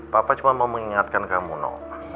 papa cuma mau mengingatkan kamu no